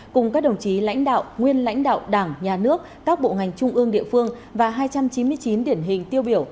cùng các đồng chí lãnh đạo nguyên lãnh đạo đảng nhà nước các bộ ngành trung ương địa phương và hai trăm chín mươi chín điển hình tiêu biểu